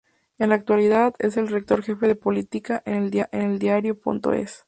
En la actualidad es el redactor jefe de política de eldiario.es.